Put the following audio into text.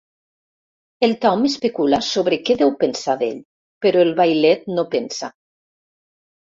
El Tom especula sobre què deu pensar d'ell, però el vailet no pensa.